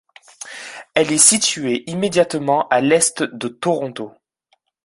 Elle est située immédiatement à l'est de Toronto.